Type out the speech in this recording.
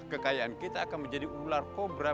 kekayaan kita akan menjadi ular kobra